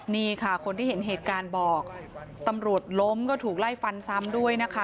นี่ค่ะคนที่เห็นเหตุการณ์บอกตำรวจล้มก็ถูกไล่ฟันซ้ำด้วยนะคะ